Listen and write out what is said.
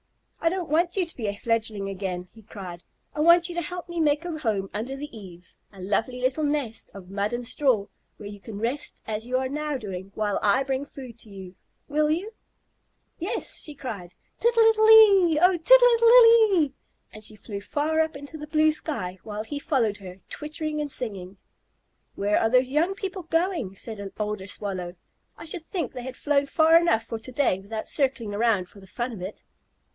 "I don't want you to be a fledgling again," he cried. "I want you to help me make a home under the eaves, a lovely little nest of mud and straw, where you can rest as you are now doing, while I bring food to you. Will you?" "Yes," she cried. "Tittle ittle ittle ee! Oh, tittle ittle ittle ee!" And she flew far up into the blue sky, while he followed her, twittering and singing. "Where are those young people going?" said an older Swallow. "I should think they had flown far enough for to day without circling around for the fun of it."